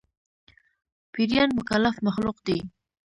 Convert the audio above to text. پيريان مکلف مخلوق دي